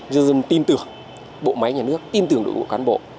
nhân dân tin tưởng bộ máy nhà nước tin tưởng đội ngũ cán bộ